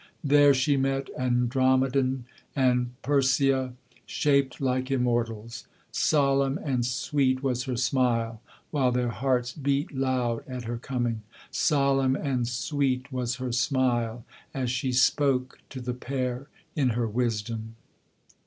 There she met Andromeden and Persea, shaped like Immortals; Solemn and sweet was her smile, while their hearts beat loud at her coming; Solemn and sweet was her smile, as she spoke to the pair in her wisdom.